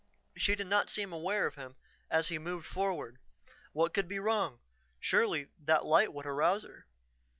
She did not seem aware of him as he moved forward. What could be wrong; surely that light would arouse her.